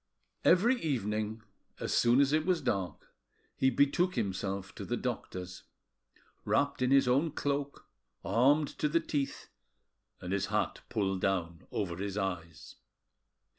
Every evening as soon as it was dark he betook himself to the doctor's, wrapped in his cloak, armed to the teeth, and his hat pulled down over his eyes.